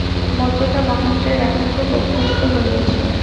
মদ্যটা মহেন্দ্রের এখন খুব অভ্যস্ত হইয়াছে।